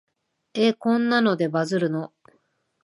え、こんなのでバズるの？